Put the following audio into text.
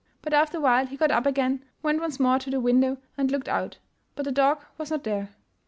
But after a while he got up again, went once more to the window and looked out — but the dog was not there.